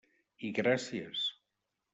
I gràcies.